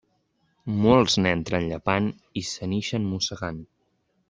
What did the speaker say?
Molts n'entren llepant i se n'ixen mossegant.